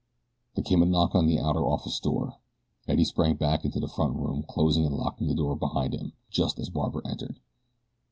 There came a knock at the outer office door. Eddie sprang back into the front room, closing and locking the door after him, just as Barbara entered.